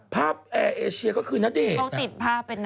ภาพแอร์เอเชียก็คือณเดชน์